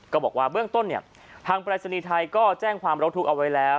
ก็บอกว่าเบื้องต้นเนี่ยทางปรายศนีย์ไทยก็แจ้งความร้องทุกข์เอาไว้แล้ว